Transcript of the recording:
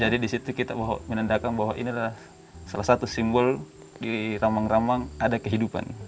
jadi di situ kita menandakan bahwa ini adalah salah satu simbol di ramang ramang ada kehidupan